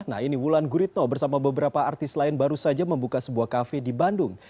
nah ini wulan guritno bersama beberapa artis lain baru saja membuka sebuah kafe di bandung